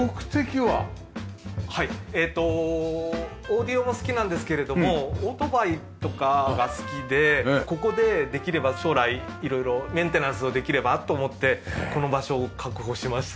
オーディオも好きなんですけれどもオートバイとかが好きでここでできれば将来色々メンテナンスをできればと思ってこの場所を確保しました。